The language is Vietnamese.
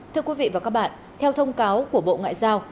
thưa quý vị và các bạn theo thông cáo của bộ ngoại giao